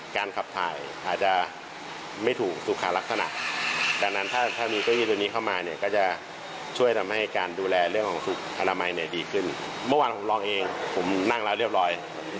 มันจะรับน้ำหนักได้แค่ไหนคุณครู